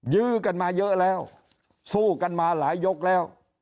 ยื้อกันมาเยอะแล้วสู้กันมาหลายยกแล้ว